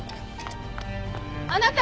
あなた！